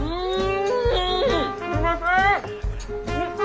うん。